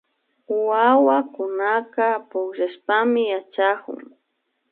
Wawakunaka pukllashpami yachakun